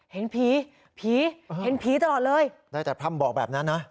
เห็นผีผีเห็นผีตลอดเลยได้แต่พร่ำบอกแบบนั้นนะ